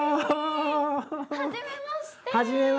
はじめまして。